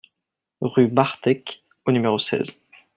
Rue Barthèque au numéro seize